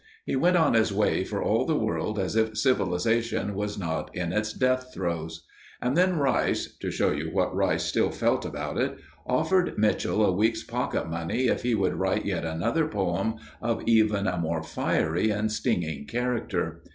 He went on his way for all the world as if civilisation was not in its death throes. And then Rice to show you what Rice still felt about it offered Mitchell a week's pocket money if he would write yet another poem of even a more fiery and stinging character.